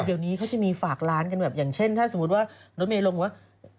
เดี๋ยวนี้เขาจะมีฝากร้านกันแบบอย่างเช่นถ้าสมมุติว่ารถเมย์ลงบอกว่า